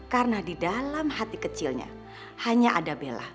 karena di dalam hati kecilnya hanya ada bella